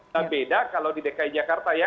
nah beda kalau di dki jakarta ya